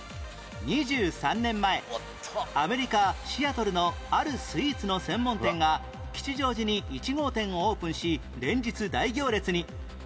２３年前アメリカシアトルのあるスイーツの専門店が吉祥寺に１号店をオープンし連日大行列に